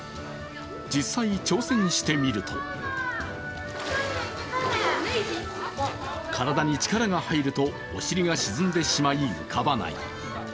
実際、挑戦してみると体に力が入るとお尻が沈んでしまい、浮かばない。